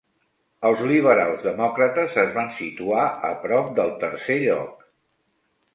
Els liberals demòcrates es van situar a prop del tercer lloc.